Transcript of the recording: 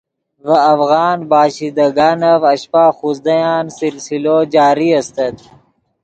ڤے افغان باشندگانف اشپہ خوزدَیان سلسلو جاری استت